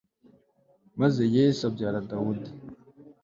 maze yese abyara dawudi